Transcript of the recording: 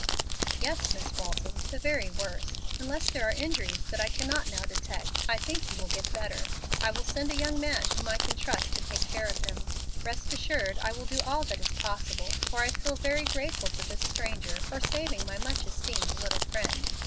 "Yes, Miss Walton, the very worst. Unless there are injuries that I cannot now detect I think he will get better. I will send a young man whom I can trust to take care of him. Best assured I will do all that is possible, for I feel very grateful to this stranger for saving my much esteemed little friend.